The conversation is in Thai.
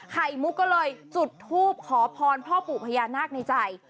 ไข่มุกก็เลยจุดทูปขอพรพ่อปู่พญานาคในใจ